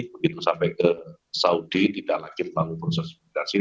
begitu sampai ke saudi tidak lagi melalui proses imigrasi